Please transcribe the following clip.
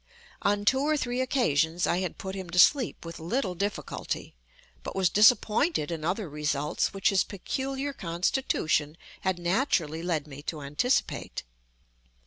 On two or three occasions I had put him to sleep with little difficulty, but was disappointed in other results which his peculiar constitution had naturally led me to anticipate.